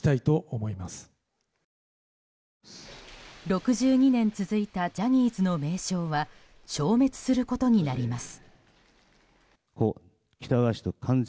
６２年続いたジャニーズの名称は消滅することになります。